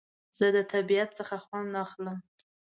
زه د طبیعت څخه خوند اخلم